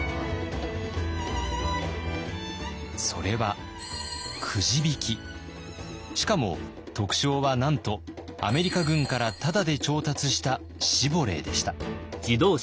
それはしかも特賞はなんとアメリカ軍からタダで調達したシボレーでした。